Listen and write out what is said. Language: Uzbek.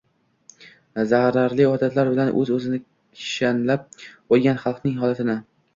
Zararli odatlar bilan o‘z-o‘zini kishanlab qo‘ygan xalqning holatini